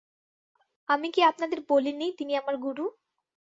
আমি কি আপনাকে বলি নি তিনি আমার গুরু?